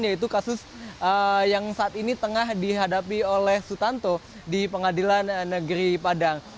yaitu kasus yang saat ini tengah dihadapi oleh sutanto di pengadilan negeri padang